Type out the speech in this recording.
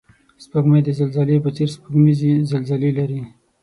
سپوږمۍ د زلزلې په څېر سپوږمیزې زلزلې لري